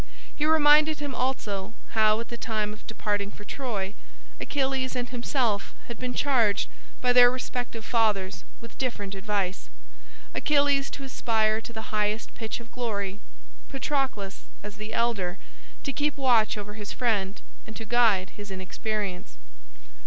He reminded him also how, at the time of departing for Troy, Achilles and himself had been charged by their respective fathers with different advice: Achilles to aspire to the highest pitch of glory, Patroclus, as the elder, to keep watch over his friend, and to guide his inexperience.